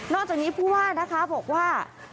จากนี้ผู้ว่านะคะบอกว่า